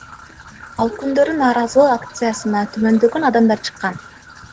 Ал күндөрү нааразылык акциясына түмөндөгөн адамдар чыккан.